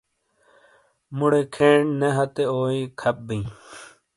مُوڑے کھین نے ہتے اوئی کھپ بِیں۔